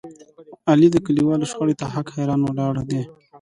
علي د کلیوالو شخړې ته حق حیران ولاړ دی.